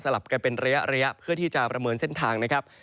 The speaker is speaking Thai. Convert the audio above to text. ลับกันเป็นระยะเพื่อที่จะประเมินเส้นทางนะครับ